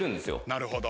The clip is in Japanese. なるほど。